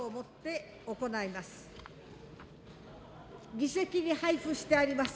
議席に配付してあります